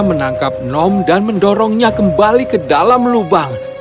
menangkap nom dan mendorongnya kembali ke dalam lubang